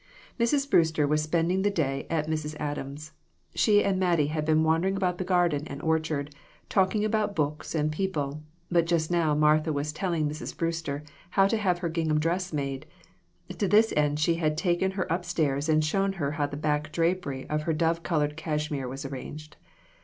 Mrs. Brewster was spending the day at Mrs. Adams's. She and Mattie had been wandering about the garden and orchard, talking about books and people, but just now Martha was telling Mrs. Brewster how to have her gingham dress made; to this end she had taken her up stairs and shown her how the back drapery of her dove colored cashmere was arranged.